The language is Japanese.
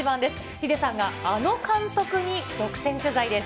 ヒデさんがあの監督に独占取材です。